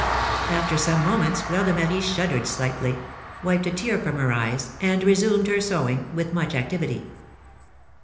After some moments Fleur de Marie shuddered slightly, wiped a tear from her eyes, and resumed her sewing with much activity.